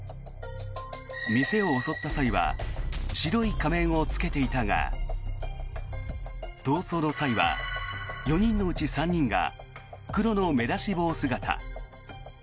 店を襲った際は白い仮面をつけていたが逃走の際は４人のうち３人が黒の目出し帽姿。